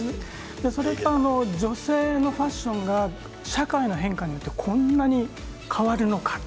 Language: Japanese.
それから女性のファッションが社会の変化によってこんなに変わるのか